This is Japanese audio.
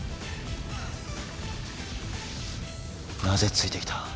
なぜついてきた？